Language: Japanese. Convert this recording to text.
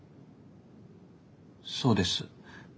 そうです。